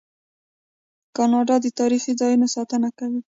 کاناډا د تاریخي ځایونو ساتنه کوي.